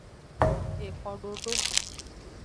Exododo.